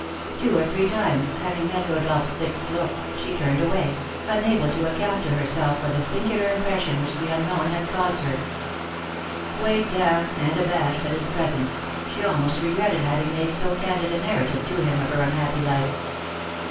Two or three times, having met Rodolph's fixed look, she turned away, unable to account to herself for the singular impression which the unknown had caused her. Weighed down and abashed at his presence, she almost regretted having made so candid a narrative to him of her unhappy life.